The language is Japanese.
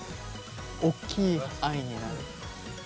おっきい愛になる。